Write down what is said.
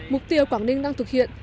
mục tiêu quảng ninh đang thực hiện